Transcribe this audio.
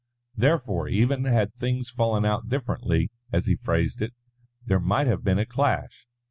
Therefore, even had things fallen out differently, as he phrased it, there might have been a clash.